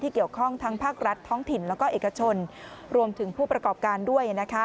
เกี่ยวข้องทั้งภาครัฐท้องถิ่นแล้วก็เอกชนรวมถึงผู้ประกอบการด้วย